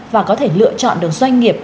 và có thể lựa chọn đường doanh nghiệp